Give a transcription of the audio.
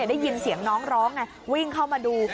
ได้ยินเสียงน้องร้องไงวิ่งเข้ามาดู